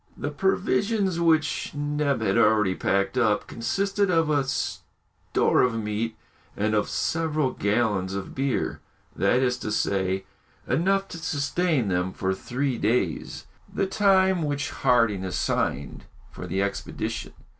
The provisions, which Neb had already packed up, consisted of a store of meat and of several gallons of beer, that is to say, enough to sustain them for three days, the time which Harding assigned for the expedition.